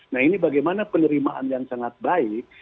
nah ini bagaimana penerimaan yang sangat baik